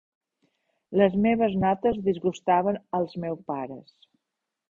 Les meves notes disgustaven als meus pares.